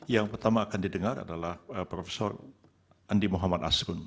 yang pertama akan didengar adalah prof andi muhammad asrun